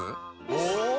お！